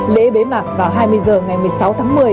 lễ bế mạc vào hai mươi h ngày một mươi sáu tháng một mươi